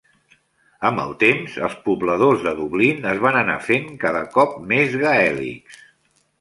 Amb el temps, els pobladors de Dublín es van anar fent cada cop més gaèlics.